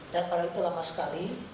dan pada waktu lama sekali